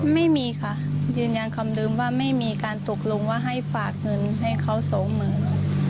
ไม่มีค่ะยืนยันคำเดิมว่าไม่มีการตกลงว่าให้ฝากเงินให้เขาสองหมื่น